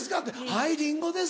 「はいリンゴです」